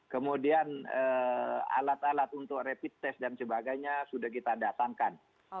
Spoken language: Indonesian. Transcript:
kemudian alat alat untuk rapid test dan sebagainya sudah kita datangkan